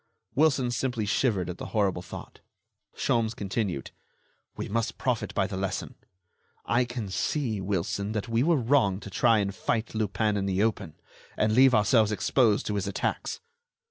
Wilson simply shivered at the horrible thought. Sholmes continued: "We must profit by the lesson. I can see, Wilson, that we were wrong to try and fight Lupin in the open, and leave ourselves exposed to his attacks."